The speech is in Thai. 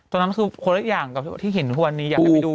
ตอนนั้นคือคนละอย่างกับที่เห็นทุกวันนี้อยากให้ไปดู